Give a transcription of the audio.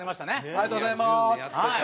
ありがとうございます！